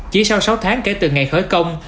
chỉ sau sáu tháng kể từ ngày khởi công